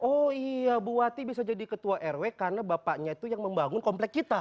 oh iya buati bisa jadi ketua rw karena bapaknya itu yang membangun komplek kita